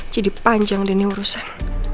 jadi panjang deh ini urusan